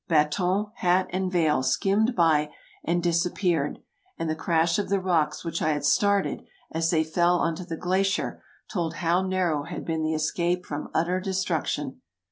Baton, hat, and veil skimmed by and disap peared, and the crash of the rocks which I had started, as they fell on to the glacier, told how narrow had been the escape from utter destruction.